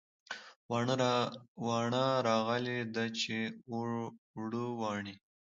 واڼه راغلې ده چې اوړه واڼي